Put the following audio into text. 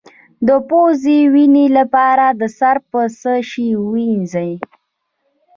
د پوزې وینې لپاره سر په څه شي ووینځم؟